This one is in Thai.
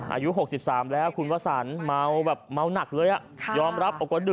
อายุ๖๓แล้วคุณวัฒนเมาหนักเลยอะ